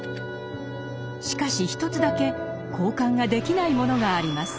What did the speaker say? しかし一つだけ交換ができないものがあります。